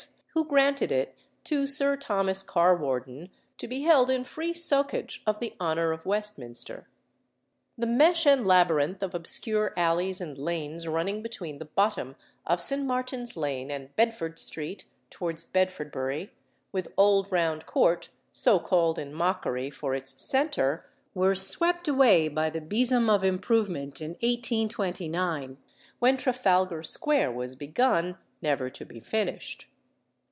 who granted it to Sir Thomas Carwarden, to be held in free soccage of the honour of Westminster. The mesh and labyrinth of obscure alleys and lanes running between the bottom of St. Martin's Lane and Bedford Street, towards Bedfordbury, with old Round Court, so called in mockery, for its centre, were swept away by the besom of improvement in 1829, when Trafalgar Square was begun, never to be finished.